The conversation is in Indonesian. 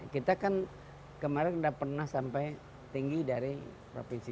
kita kan kemarin tidak pernah sampai tinggi dari provinsi